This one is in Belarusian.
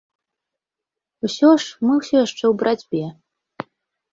Усё ж, мы ўсё яшчэ ў барацьбе.